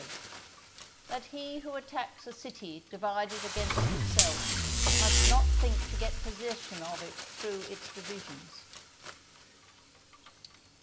—_That he who attacks a City divided against itself, must not think to get possession of it through its Divisions.